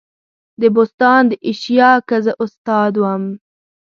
دبستان د ایشیا که زه استاد وم.